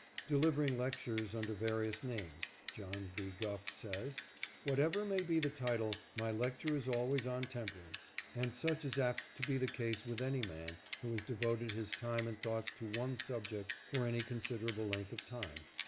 Delivering lectures under various names, John B. Gough says, "Whatever may be the title, my lecture is always on Temperance "; and such is apt to be the case with any man who has devoted his time and thoughts to one subject for any considerable length of time.